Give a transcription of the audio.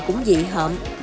cũng dị hợm